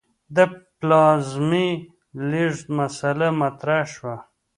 د پلازمې لېږد مسئله مطرح شوه.